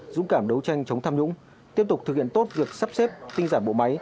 dũng cảm đấu tranh chống tham nhũng tiếp tục thực hiện tốt việc sắp xếp tinh giản bộ máy